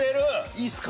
いいですか？